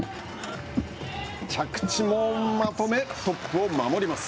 着地もまとめ、トップを守ります。